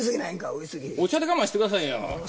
ウイスお茶で我慢してくださいよ。